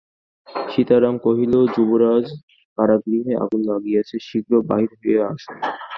সীতারাম কহিল, যুবরাজ, কারাগৃহে আগুন লাগিয়াছে, শীঘ্র বাহির হইয়া আসুন।